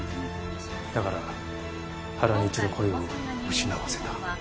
だから原に一度声を失わせた。